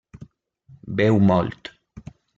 Beu molt.